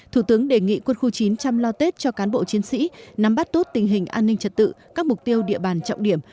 thủ tướng đề nghị quân khu chín chăm lo tết cho cán bộ chiến sĩ nắm bắt tốt tình hình an ninh trật tự các mục tiêu địa bàn trọng điểm